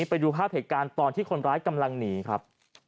ไปดูภาพเหตุการณ์ตอนที่คนร้ายกำลังหนีครับ